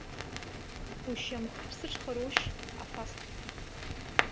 Ушьамхы ԥсыҽхарушь, афаст?!